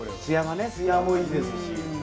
つやもいいですし。